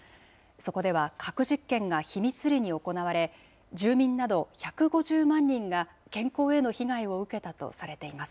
そこでは核実験が秘密裏に行われ、住民など１５０万人が健康への被害を受けたとされています。